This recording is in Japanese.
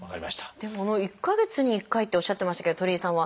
でも１か月に１回っておっしゃってましたけど鳥居さんは。